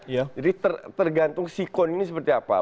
jadi tergantung si cone ini seperti apa